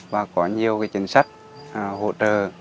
và có nhiều chính sách hỗ trợ